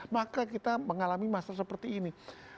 maka kita mengalami masa seperti ini